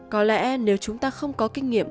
có lẽ nếu chúng ta không có kinh nghiệm